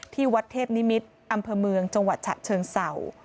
ที่วัดเทพนิมิตรอำเภอเมืองจังหวัดฉะเชิงเศร้า